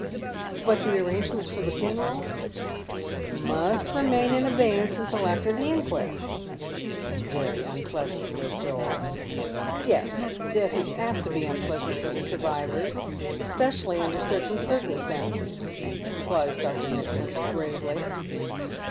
" But the arrangements for the funeral "" Must remain in abeyance till after the inquest." " Very unpleasant," says Joel. " Yes, death is apt to be unpleasant for the survivors, especially tinder certain circumstances," replies Dr. Mitsand, gi avely.